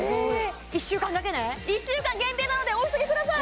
１週間だけね１週間限定なのでお急ぎください